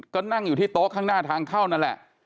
ก็นั่งอยู่ที่โต๊ะข้างหน้าทางเข้านั่นแหละ